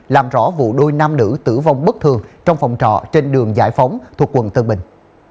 làm rõ vụ đôi nam nữ tử vong bất thường trong phòng trọ trên đường giải phóng thuộc quận tân bình